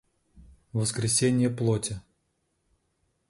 воскресение плоти